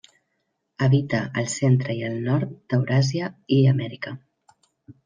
Habita al centre i al nord d'Euràsia i Amèrica.